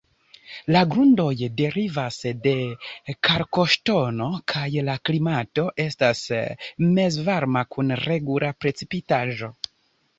La grundoj derivas de kalkoŝtono, kaj la klimato estas mezvarma kun regula precipitaĵo.